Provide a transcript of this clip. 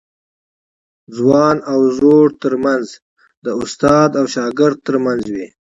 ځوان او زوړ ترمنځ د استاد او شاګرد ترمنځ وي.